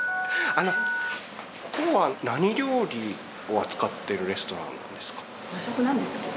ここは何料理を扱ってるレストランですか？